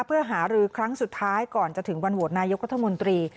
เพื่อหารือครั้งสุดท้ายก่อนจะถึงวันโหวตนายกรัฐมนตรี